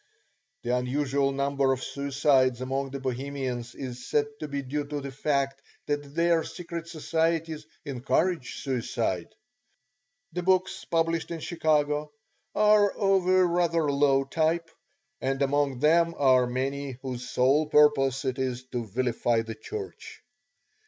The unusual number of suicides among the Bohemians is said to be due to the fact that their secret societies encourage suicide. The books published in Chicago are of a rather low type, and among them are many whose sole purpose it is to vilify the Church.